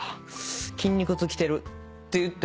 「筋肉痛きてる」って言ったり。